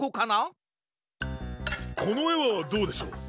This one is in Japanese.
このえはどうでしょう？